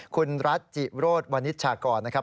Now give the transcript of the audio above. คุณรัฐจิโรธวนิชชากรนะครับ